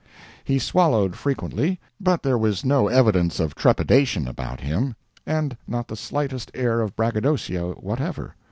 He swallowed frequently, but there was no evidence of trepidation about him—and not the slightest air of braggadocio whatever.